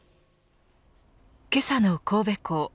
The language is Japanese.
けさの神戸港。